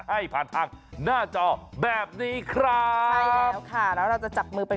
ไหนไหนไหนไหนไหน